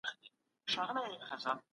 هغوی ته بايد د کار او ژوند زمينه برابره سي.